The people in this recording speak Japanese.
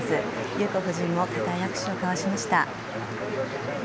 裕子夫人も固い握手を交わしました。